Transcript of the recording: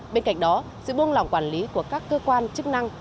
bên cạnh đó sự buông lỏng quản lý của các cơ quan chức năng